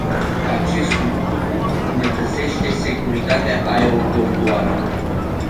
Acest lucru nu îmbunătățește securitatea aeroportuară.